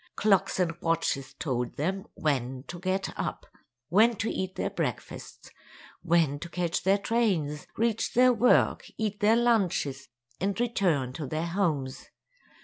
Clocks and watches told them when to get up, when to eat their breakfasts, when to catch their trains, reach their work, eat their lunches, and return to their homes.